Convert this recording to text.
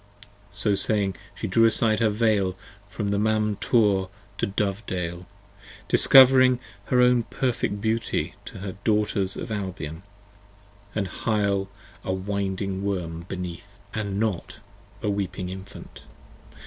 45 So saying, She drew aside her Veil from Mam Tor to Dovedale, Discovering her own perfect beauty to the Daughters of Albion And Hyle a winding Worm beneath and not a weeping Infant.